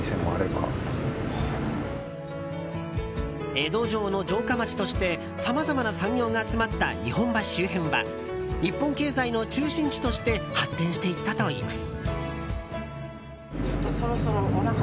江戸城の城下町としてさまざまな産業が集まった日本橋周辺は日本経済の中心地として発展していったといいます。